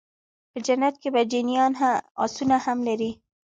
په جنت کي به جنيان آسونه هم لري